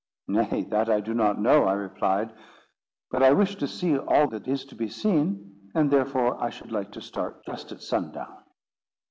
"Nay, that I do not know," I replied, "but I wish to see all that is to be seen, and therefore I should like to start just at sundown."